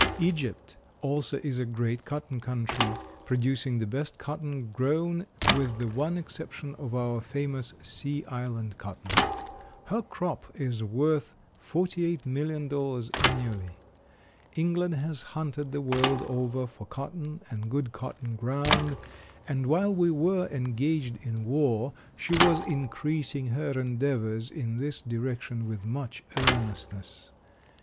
Egypt also is a great cotton country, producing the best cotton grown with the one exception of our famous sea island cotton. Her crop is worth $48,000,000 annually. England has hunted the world over for cotton and good cotton ground, and while we were engaged in war she was increasing her endeavors in this direction with much earnestness.